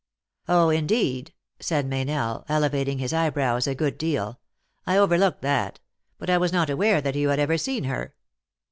" Oh, indeed !" said Meynell, elevating his eye brows a good deal, " I overlooked that. But I was not aware that you had ever seen her."